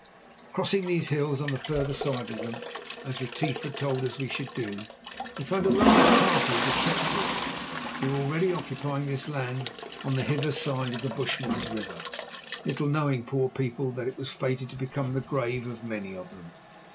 Crossing these hills, on the further side of them, as Retief had told us we should do, we found a large party of the trek Boers, who were already occupying this land on the hither side of the Bushman's River, little knowing, poor people, that it was fated to become the grave of many of them.